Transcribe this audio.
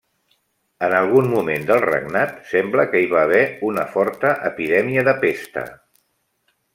En algun moment del regnat sembla que hi va haver una forta epidèmia de pesta.